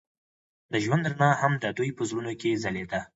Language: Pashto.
د ژوند رڼا هم د دوی په زړونو کې ځلېده.